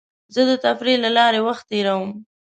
زه د تفریح له لارې وخت تېرووم.